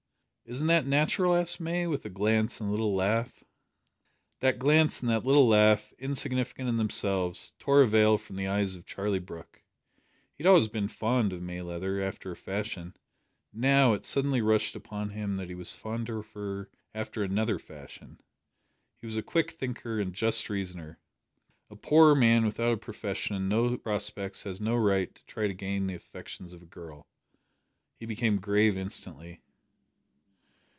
"Isn't that natural?" asked May, with a glance and a little laugh. That glance and that little laugh, insignificant in themselves, tore a veil from the eyes of Charlie Brooke. He had always been fond of May Leather, after a fashion. Now it suddenly rushed upon him that he was fond of her after another fashion! He was a quick thinker and just reasoner. A poor man without a profession and no prospects has no right to try to gain the affections of a girl. He became grave instantly.